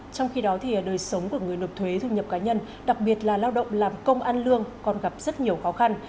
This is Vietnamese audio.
trong khi đó đời sống của người nộp thuế thu nhập cá nhân đặc biệt là lao động làm công ăn lương còn gặp rất nhiều khó khăn